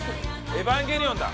『エヴァンゲリオン』だ。